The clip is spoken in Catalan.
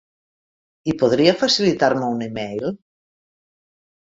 I podria facilitar-me un email?